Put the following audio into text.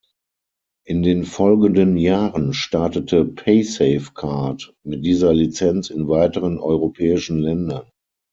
In den folgenden Jahren startete paysafecard mit dieser Lizenz in weiteren europäischen Ländern.